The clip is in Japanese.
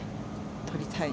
取りたい。